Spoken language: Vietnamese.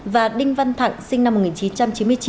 và đinh văn thẳng sinh năm một nghìn chín trăm chín mươi chín